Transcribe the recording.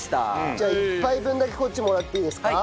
じゃあ１杯分だけこっちもらっていいですか？